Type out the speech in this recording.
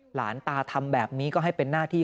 หลานตาทำแบบนี้ก็ให้เป็นหน้าที่